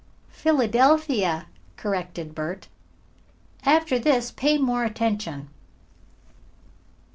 "Philadelphia," corrected Bert. "After this pay more attention."